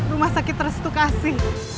rumah sakit restu kasi